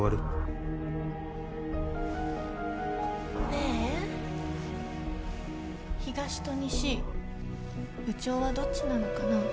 ねえ東と西部長はどっちなのかな？